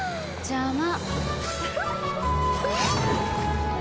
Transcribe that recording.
邪魔。